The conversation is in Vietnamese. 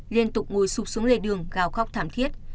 liên tục ngồi sụp xuống lề đường gào khóc thảm thiết